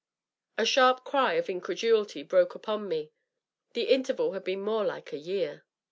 A sharp cry of incredulity broke from me. The interval had been more like a year.